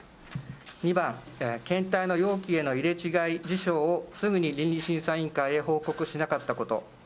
２番、検体の容器への入れ違い事象をすぐに倫理審査委員会へ報告しなかったこと。